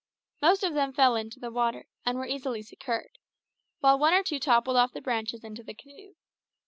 Most of them fell into the water, and were easily secured, while one or two toppled off the branches into the canoe.